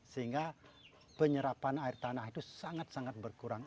sehingga penyerapan air tanah itu sangat sangat berkurang